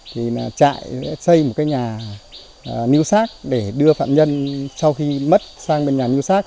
thì chạy xây một cái nhà níu sát để đưa phạm nhân sau khi mất sang bên nhà níu sát